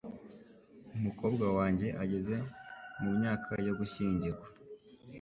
Umukobwa wanjye ageze mu myaka yo gushyingirwa.